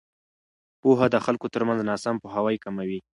پوهه د خلکو ترمنځ ناسم پوهاوی کموي.